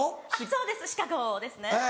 そうです『シカゴ』ですね。